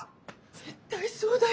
絶対そうだよ。